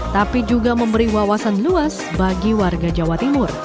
tapi juga memberi wawasan luas bagi warga jawa timur